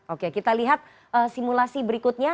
oke kita lihat simulasi berikutnya